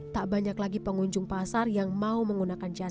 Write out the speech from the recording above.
tak banyak lagi pengunjung pasar yang mau menggunakan jasa